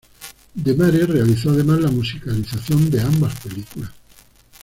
Demare realizó además la musicalización de ambas películas.